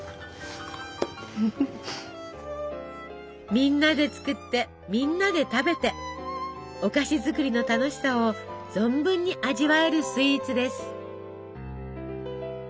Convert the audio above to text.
みんなで作ってみんなで食べてお菓子作りの楽しさを存分に味わえるスイーツです。